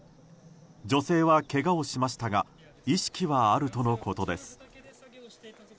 女性はけがをしましたが意識はあるとのことです。